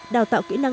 đào tạo kỹ năng